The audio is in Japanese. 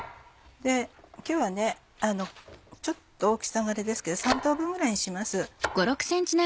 今日は大きさがあれですけど３等分ぐらいにします。